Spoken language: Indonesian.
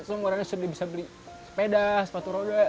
semua orangnya sudah bisa beli sepeda sepatu roda